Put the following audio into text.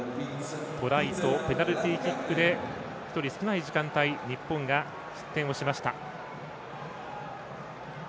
トライとペナルティキックで１人少ない時間帯日本が失点をしました。